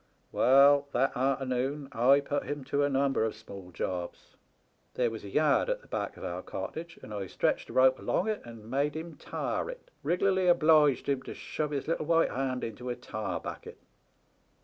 "Well, that artemoon I put him to a number of small jobs. There was a yard at the back of our cottage, and I stretched a rope along it and made him tar it, rig'larly obliged him to shove his little white hand into a tar bucket.